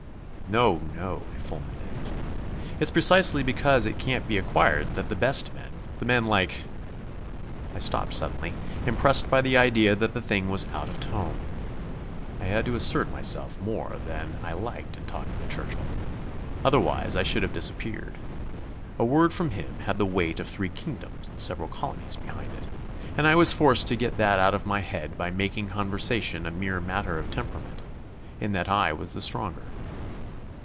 "No, no," I fulminated, "it's precisely because it can't be acquired that the best men the men like ..." I stopped suddenly, impressed by the idea that the thing was out of tone. I had to assert myself more than I liked in talking to Churchill. Otherwise I should have disappeared. A word from him had the weight of three kingdoms and several colonies behind it, and I was forced to get that out of my head by making conversation a mere matter of temperament. In that I was the stronger.